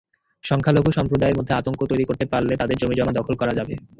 সংখ্যালঘু সম্প্রদায়ের মধ্যে আতঙ্ক তৈরি করতে পারলে তাদের জমিজমা দখল করা যাবে।